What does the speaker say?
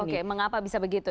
oke mengapa bisa begitu